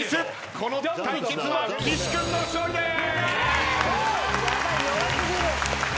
この対決は岸君の勝利です！